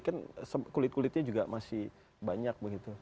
kan kulit kulitnya juga masih banyak begitu